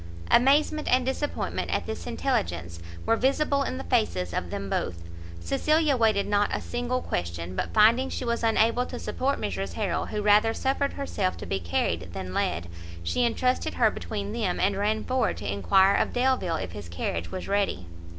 Amazement and disappointment at this intelligence were visible in the faces of them both; Cecilia waited not a single question, but finding she was unable to support Mrs Harrel, who rather suffered herself to be carried than led, she entrusted her between them, and ran forward to enquire of Delvile if his carriage was ready.